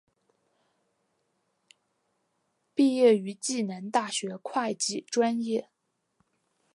毕业于暨南大学会计专业。